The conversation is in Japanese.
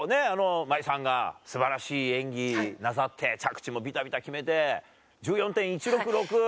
茉愛さんが素晴らしい演技なさって着地もビタビタ決めて１４．１６６。